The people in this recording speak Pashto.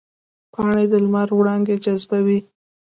پاڼې د لمر وړانګې جذبوي